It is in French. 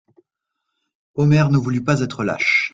Omer ne voulut pas être lâche.